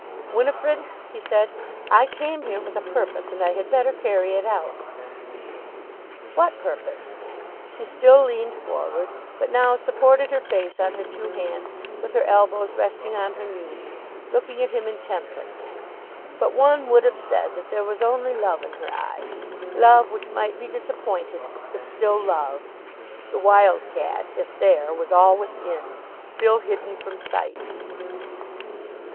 "Winifrid," he said, "I came here with a purpose, and I had better carry it out." "What purpose?" She still leaned forward, but now supported her face on her two hands with her elbows resting on her knees, looking at him intently. But one would have said that there was only love in her eyes; love which might be disappointed, but still love. The wild cat, if there, was all within, still hidden from sight.